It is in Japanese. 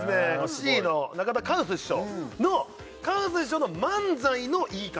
Ｃの中田カウス師匠のカウス師匠の漫才の言い方